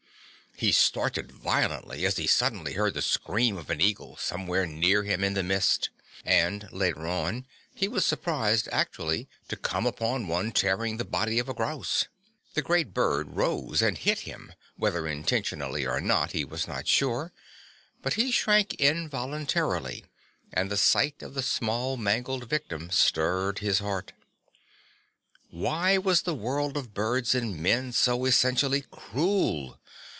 He started violently as he suddenly heard the scream of an eagle somewhere near him in the mist, and later on he was surprised actually to come upon one tearing the body of a grouse. The great bird rose and hit him, whether intentionally or not he was not sure, but he shrank involuntarily and the sight of the small mangled victim stirred his heart. "Why was the world of birds and men so essentially cruel?"